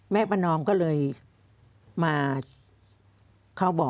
แม่ประนอมก็เลยมา